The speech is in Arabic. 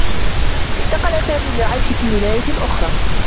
انتقل سامي للعيش في ولاية آخرى.